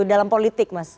dalam politik mas